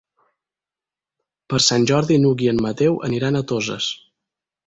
Per Sant Jordi n'Hug i en Mateu aniran a Toses.